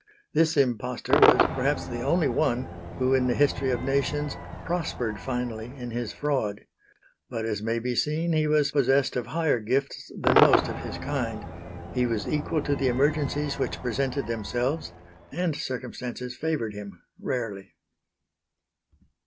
This impostor was perhaps the only one who in the history of nations prospered finally in his fraud. But as may be seen he was possessed of higher gifts than most of his kind; he was equal to the emergencies which presented themselves and circumstances favoured him, rarely.